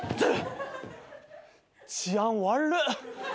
治安悪っ！